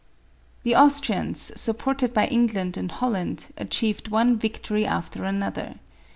The Austrians, supported by England and Holland, achieved one victory after another.